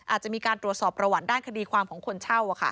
อาจจะมีการตรวจสอบประวัติด้านคดีความของคนเช่า